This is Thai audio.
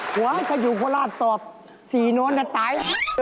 ขวาจะอยู่กว่าราชตอบสี่โนลก็ตาย